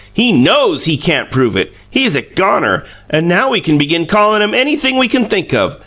"He KNOWS he can't prove it! He's a goner, and now we can begin callin' him anything we can think of!